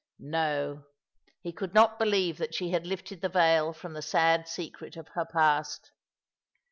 " No ; he could not believe that she had lifted the veil from the sad secret of her past.